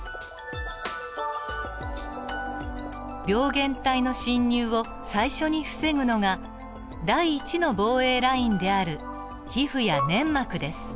病原体の侵入を最初に防ぐのが第１の防衛ラインである皮膚や粘膜です。